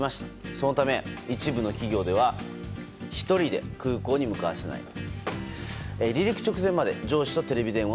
そのため一部の企業では１人で空港に向かわせないこと。